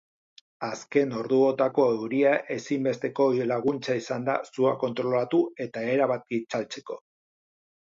Azken orduotako euria ezinbesteko laguntza izan da sua kontrolatu eta erabat itzaltzeko.